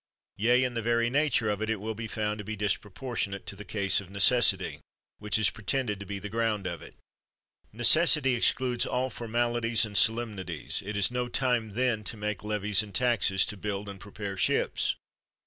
Yea, in the very nature of it, it will be found to be disproportionable to the case of "necessity" which is pretended to be the ground of it! Necessity excludes all for malities and solemnities. It is no time then to make levies and taxes to build and prepare ships.